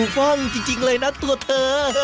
ฟ่องจริงเลยนะตัวเธอ